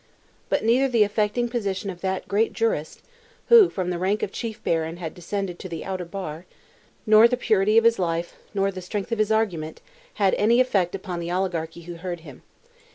But neither the affecting position of that great jurist, who, from the rank of chief baron had descended to the outer bar, nor the purity of his life, nor the strength of his argument, had any effect upon the oligarchy who heard him.